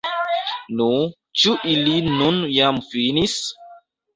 Nu, ĉu ili nun jam finis?